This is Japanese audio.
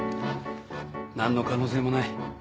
何の可能性もない